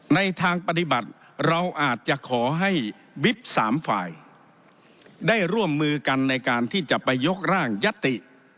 ในทางปฏิบัติเราอาจจะขอให้วิบสามฝ่ายได้ร่วมมือกันในการที่จะไปยกร่างยัตติ